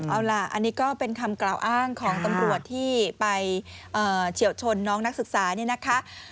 เอาล่ะอันนี้ก็เป็นคำกล่าวอ้างของตำรวจที่ไปเฉียวชนน้องนักศึกษาเนี่ยนะคะ